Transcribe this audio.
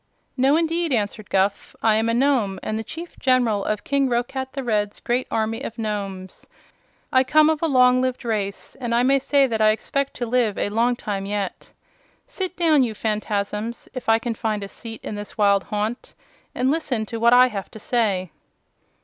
"No indeed," answered Guph. "I am a Nome, and the Chief General of King Roquat the Red's great army of Nomes. I come of a long lived race, and I may say that I expect to live a long time yet. Sit down, you Phanfasms if you can find a seat in this wild haunt and listen to what I have to say."